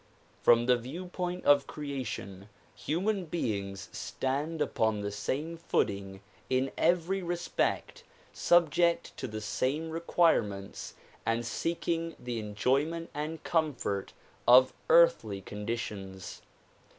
From the viewpoint of creation human beings stand upon the same footing in every respect, subject to the same requirements and seeking the enjoy ment and comfort of earthly conditions.